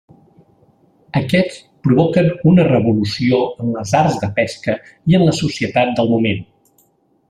Aquests provoquen una revolució en les arts de pesca i en la societat del moment.